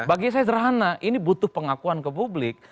bagi saya serhana ini butuh pengakuan ke publik